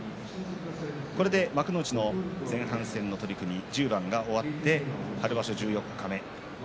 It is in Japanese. これで幕内の前半戦の取組１０番が終わって春場所十四日目